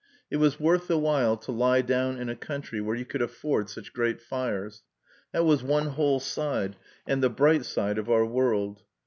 It was worth the while to lie down in a country where you could afford such great fires; that was one whole side, and the bright side, of our world.